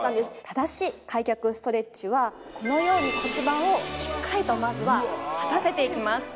正しい開脚ストレッチはこのように骨盤をしっかりとまずは立たせていきます